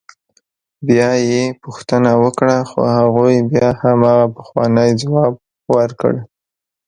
بیا یې پوښتنه وکړه خو هغوی بیا همغه پخوانی ځواب ورکړ.